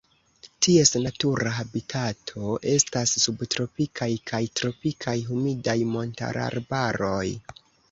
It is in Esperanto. Ties natura habitato estas subtropikaj kaj tropikaj humidaj montararbaroj.